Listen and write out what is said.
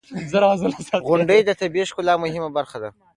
• غونډۍ د طبیعی ښکلا مهمه برخه ده.